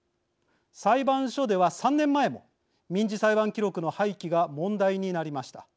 裁判所では３年前も民事裁判記録の廃棄が問題になりました。